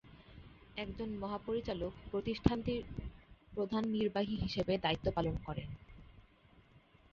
একজন মহাপরিচালক প্রতিষ্ঠানটির প্রধান নির্বাহী হিসেবে দায়িত্ব পালন করেন।